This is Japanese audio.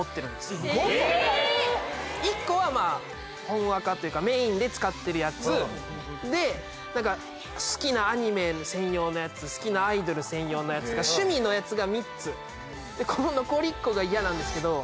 １個はまあ本アカっていうかメインで使ってるやつで好きなアニメ専用のやつ好きなアイドル専用のやつとか趣味のやつが３つでこの残り１個が嫌なんですけど